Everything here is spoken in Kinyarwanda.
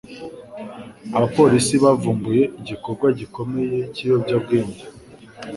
Abapolisi bavumbuye igikorwa gikomeye cy’ibiyobyabwenge.